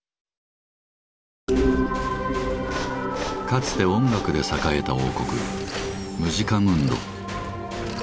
かつて音楽で栄えた王国「ムジカムンド」。